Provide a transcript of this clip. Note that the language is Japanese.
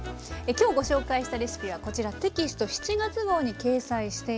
今日ご紹介したレシピはこちらテキスト７月号に掲載しています。